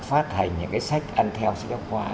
phát hành những cái sách ăn theo sách giáo khoa